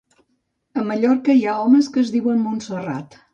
A Mallorca hi ha homes que es diuen Montserrat